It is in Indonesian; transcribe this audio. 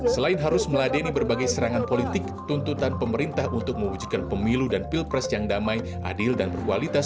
selain harus meladeni berbagai serangan politik tuntutan pemerintah untuk mewujudkan pemilu dan pilpres yang damai adil dan berkualitas